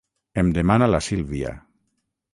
Em demana la Sílvia.